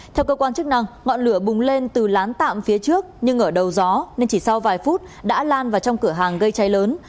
theo cơ quan chức năng ngọn lửa bùng lên từ lán tạm phía trước nhưng ở đầu gió nên chỉ sau vài phút đã lan vào trong cửa hàng gây cháy lớn